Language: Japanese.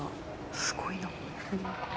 すごいな。